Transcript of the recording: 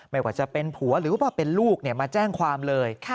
ไม่ว่าจะเป็นผัวหรือว่าเป็นลูกมาแจ้งความเลย